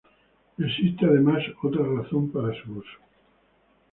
Existe además otra razón para su uso.